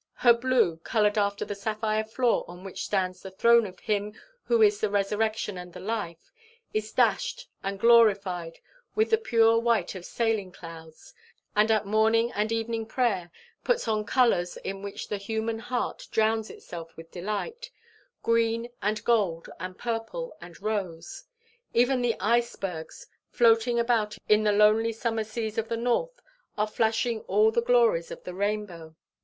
Her blue, coloured after the sapphire floor on which stands the throne of him who is the Resurrection and the Life, is dashed and glorified with the pure white of sailing clouds, and at morning and evening prayer, puts on colours in which the human heart drowns itself with delight green and gold and purple and rose. Even the icebergs floating about in the lonely summer seas of the north are flashing all the glories of the rainbow.